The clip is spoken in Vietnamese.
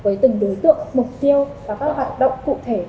với từng đối tượng mục tiêu và các hoạt động cụ thể